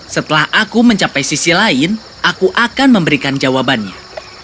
setelah aku mencapai sisi lain aku akan memberikan jawabannya